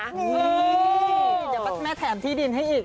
เดี๋ยวแม่แถมที่ดินให้อีก